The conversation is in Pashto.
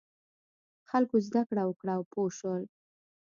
خلکو زده کړه وکړه او پوه شول.